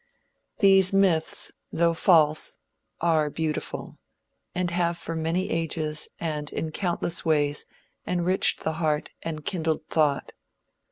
These myths, though false, are beautiful, and have for many ages and in countless ways, enriched the heart and kindled thought.